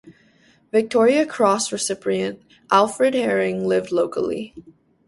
Victoria Cross recipient Alfred Herring lived locally.